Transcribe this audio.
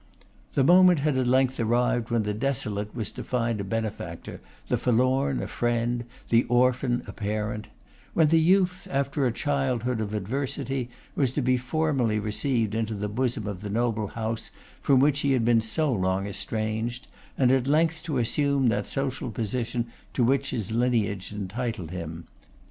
The moment had at length arrived when the desolate was to find a benefactor, the forlorn a friend, the orphan a parent; when the youth, after a childhood of adversity, was to be formally received into the bosom of the noble house from which he had been so long estranged, and at length to assume that social position to which his lineage entitled him.